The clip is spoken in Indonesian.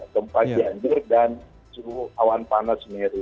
kempa janjur dan isu awan panas nyairu